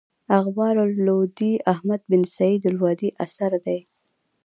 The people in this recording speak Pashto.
اخبار اللودي احمد بن سعيد الودي اثر دﺉ.